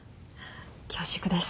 恐縮です。